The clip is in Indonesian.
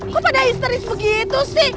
kok pada histeris begitu sih